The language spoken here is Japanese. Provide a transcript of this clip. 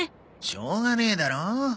しょうがねえだろう？